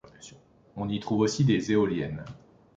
On y trouve aussi des éoliennes.